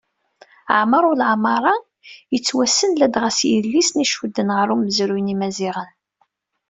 Ɛmer Uleɛmaṛa, yettwassen ladɣa s yidlisen icudden ɣer umezruy n yimaziɣen.